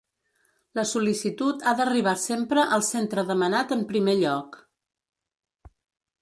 La sol·licitud ha d'arribar sempre al centre demanat en primer lloc.